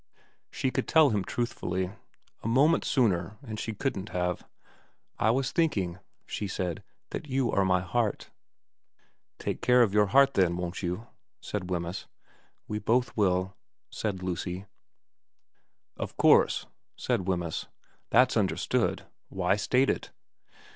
She could tell him truthfully ; a moment sooner and she couldn't have. ' I was thinking,' she said, ' that you are my heart.' 252 VERA xzm ' Take care of your heart then, won't you ?' said Wemyss. ' We both will,' said Lucy. ' Of course/ said Wemyss. ' That's understood. Why state it